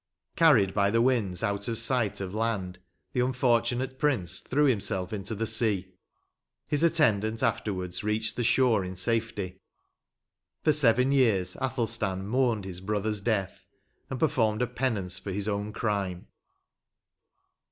Carried by the winds out of sight of land, the un fortunate prince threw himself into the sea; his attendant afterwards reached the shore in safety. For seven years Athelstan mourned his brother s death, and performed a penance for his own crime.